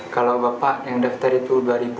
kalau bapak yang daftar itu dua ribu dua